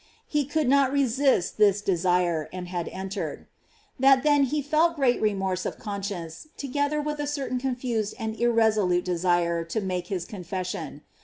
He could not resist this desire, and had entered. That then he felt great remorse of conscience, together with a certain confused and irresolute desire to make his confession.